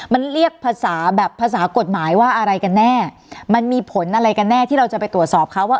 มันเรียกภาษาแบบภาษากฎหมายว่าอะไรกันแน่มันมีผลอะไรกันแน่ที่เราจะไปตรวจสอบเขาว่า